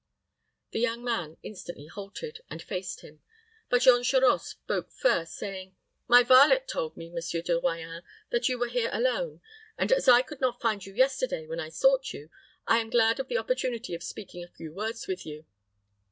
The young man instantly halted, and faced him; but Jean Charost spoke first, saying, "My varlet told me, Monsieur De Royans, that you were here alone, and as I could not find you yesterday, when I sought for you, I am glad of the opportunity of speaking a few words with you."